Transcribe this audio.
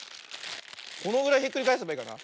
このぐらいひっくりかえせばいいかな。